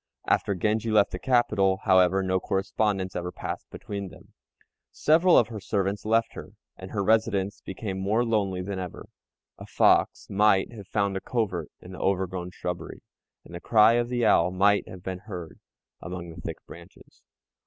After Genji left the capital, however, no correspondence ever passed between them. Several of her servants left her, and her residence became more lonely than ever. A fox might have found a covert in the overgrown shrubbery, and the cry of the owl might have been heard among the thick branches.